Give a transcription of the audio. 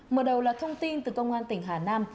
mở đầu là thông tin từ công an tỉnh hà nam